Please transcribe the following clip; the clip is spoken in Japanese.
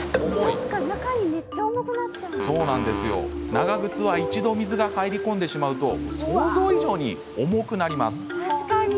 長靴は一度水が入り込んでしまうと想像以上に重くなるんです。